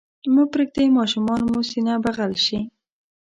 مه پرېږدئ ماشومان مو سینه بغل شي.